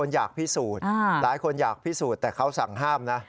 หลายคนอยากพิสูจน์แต่เขาสั่งห้ามนะ